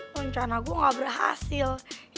rencana gue gak berhasil